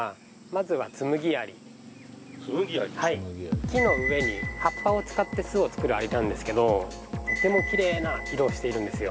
はい木の上に葉っぱを使って巣を作るアリなんですけどとてもキレイな色をしているんですよ